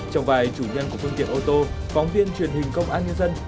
trong vài chủ nhân của phương tiện ô tô phóng viên truyền hình công an nhân dân